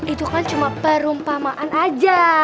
itu kan cuma perumpamaan aja